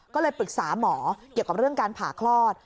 ก็เลยปรึกษาหมอเกี่ยวกับเรื่องการผ่าคลอด